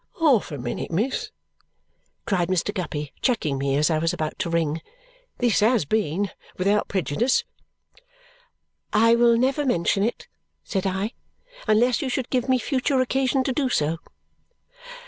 "Half a minute, miss!" cried Mr. Guppy, checking me as I was about to ring. "This has been without prejudice?" "I will never mention it," said I, "unless you should give me future occasion to do so."